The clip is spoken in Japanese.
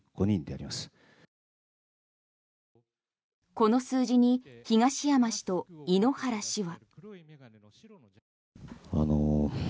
この数字に東山氏と井ノ原氏は。